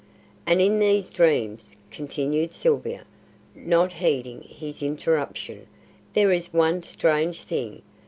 "And in these dreams," continued Sylvia, not heeding his interruption, "there is one strange thing.